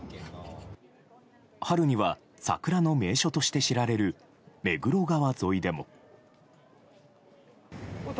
春には桜の名所として知られる目黒川沿いでも。